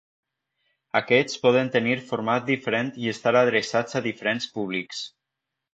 Aquests poden tenir format diferent i estar adreçats a diferents públics.